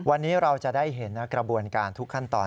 วันนี้เราจะได้เห็นกระบวนการทุกขั้นตอน